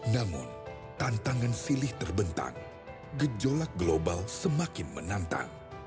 namun tantangan silih terbentang gejolak global semakin menantang